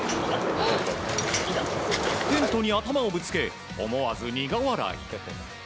テントに頭をぶつけ思わず苦笑い。